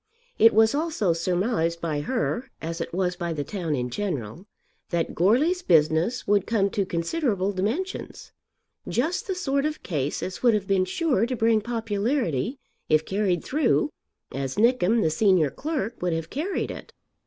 It was also surmised by her, as it was by the town in general, that Goarly's business would come to considerable dimensions; just the sort of case as would have been sure to bring popularity if carried through, as Nickem, the senior clerk, would have carried it.